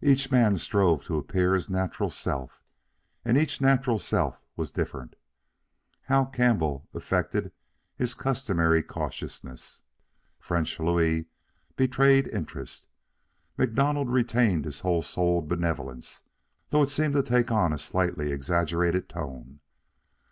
Each man strove to appear his natural self, and each natural self was different. Hal Campbell affected his customary cautiousness. French Louis betrayed interest. MacDonald retained his whole souled benevolence, though it seemed to take on a slightly exaggerated tone.